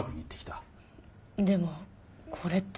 でもこれって。